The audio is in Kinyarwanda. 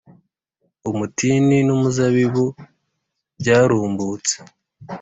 umutini n’umuzabibu byarumbutse.